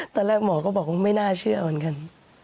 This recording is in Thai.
ตอนแรกหมอก็บอกว่าไม่น่าเชื่อเหมือนกัน